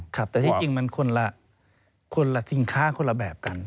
แต่ที่จริงมันคนละสินค้าคนละแบบกัน